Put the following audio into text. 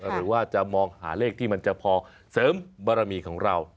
หรือว่าจะมองหาเลขที่มันจะพอเสริมบารมีของเรา